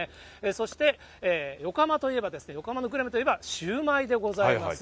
そして横浜といえば、横浜のグルメといえば、シュウマイでございます。